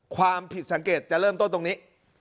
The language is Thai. ความผิดสังเกตจะเริ่มต้นตรงนี้